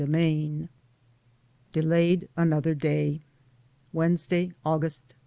189 DELAYED ANOTHER DAY. Wednesday, August 2.